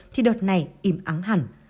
thì đợt này im ắng hẳn